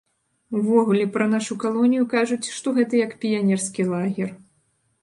Увогуле, пра нашу калонію кажуць, што гэта як піянерскі лагер.